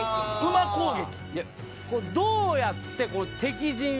馬攻撃。